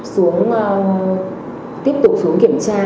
xuống kiểm tra